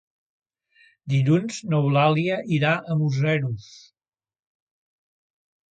Dilluns n'Eulàlia irà a Museros.